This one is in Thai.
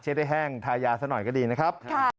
เช็ดให้แห้งทายาสักหน่อยก็ดีนะครับ